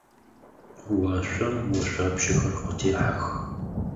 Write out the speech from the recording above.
Уашъом ошъуапщэхэр къытехьэх.